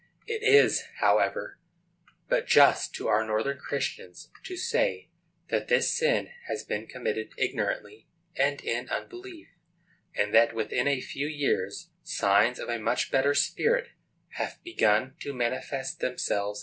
It is, however, but just to our Northern Christians to say that this sin has been committed ignorantly and in unbelief, and that within a few years signs of a much better spirit have begun to manifest themselves.